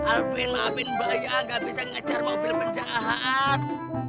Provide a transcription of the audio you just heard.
alpil maafin mbak ya gak bisa ngejar mobil penjahat